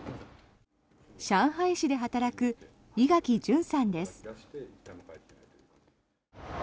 上海市で働く井垣純さんです。